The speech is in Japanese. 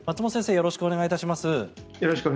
よろしくお願いします。